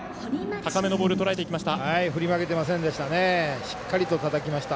高めのボールとらえていきました。